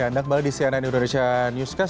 anda kembali di cnn indonesia newscast